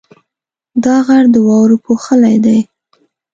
دا غر د واورو پوښلی دی.